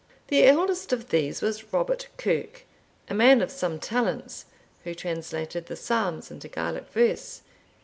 The eldest of these was Robert Kirke, a man of some talents, who translated the Psalms into Gaelic verse.